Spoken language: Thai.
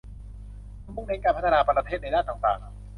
จะมุ่งเน้นการพัฒนาประเทศในด้านต่างต่าง